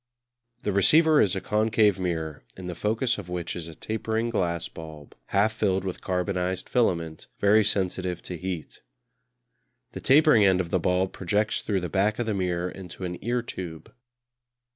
The receiver is a concave mirror, in the focus of which is a tapering glass bulb, half filled with carbonised filament very sensitive to heat. The tapering end of the bulb projects through the back of the mirror into an ear tube.